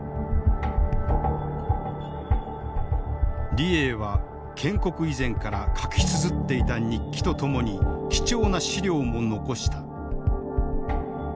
李鋭は建国以前から書きつづっていた日記とともに貴重な史料も残した。